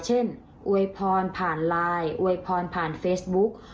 อวยพรผ่านไลน์อวยพรผ่านเฟซบุ๊ก